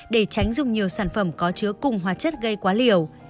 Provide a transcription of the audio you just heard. để tránh dùng nhiều sản phẩm có chứa cùng hóa chất gây quá liều